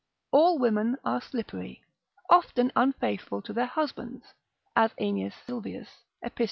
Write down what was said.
All women are slippery, often unfaithful to their husbands (as Aeneas Sylvius epist.